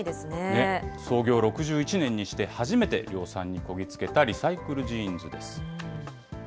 ねえ、創業６１年にして初めて量産にこぎ着けたリサイクルジーンズです。